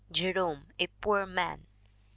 Jerome A Poor Man, 1897.